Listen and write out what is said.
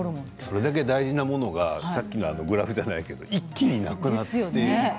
それだけ大事なものがさっきのグラフじゃないけど一気になくなって。